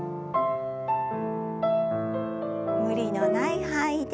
無理のない範囲で。